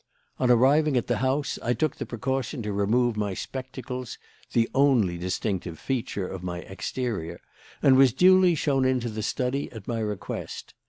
On arriving at the house, I took the precaution to remove my spectacles the only distinctive feature of my exterior and was duly shown into the study at my request.